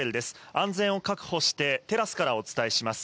安全を確保してテラスからお伝えします。